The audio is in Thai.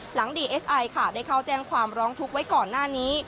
ดีเอสไอค่ะได้เข้าแจ้งความร้องทุกข์ไว้ก่อนหน้านี้